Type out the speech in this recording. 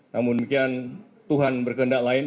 namun demikian tuhan berkendak lain